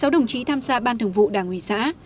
một mươi sáu đồng chí tham gia ban thường vụ đảng ủy xã